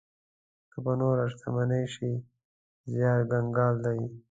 که په نوره شتمني شي زيار کنګال دی.